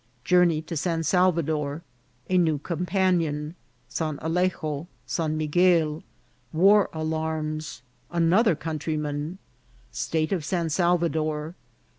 Journey to San Salvador. — A new Companion. — San Alejo.— San Miguel. — War Alarms. — Another Countryman. — State of San Salvador.